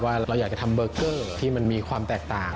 เราอยากจะทำเบอร์เกอร์ที่มันมีความแตกต่าง